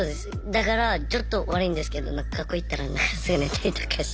だからちょっと悪いんですけど学校行ったらすぐ寝たりとかして。